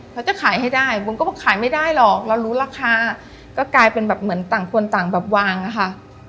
เขาจะขายให้ได้บุ๋มก็บอกขายไม่ได้หรอกเรารู้ราคาก็กลายเป็นแบบเหมือนต่างคนต่างแบบวางอะค่ะ